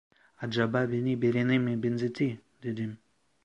Acaba beni birine mi benzetti, dedim.